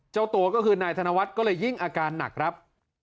เจ้าตัวก็คือนายธนวัฒน์ก็เลยยิ่งอาการหนักครับ